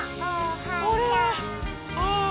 これはあぁ。